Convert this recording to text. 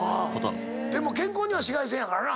でも健康には紫外線やからな。